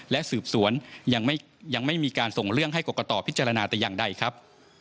และสืบสวนยังไม่มีการส่งเรื่องให้กรกตพิจารณาแต่อย่างใดครับ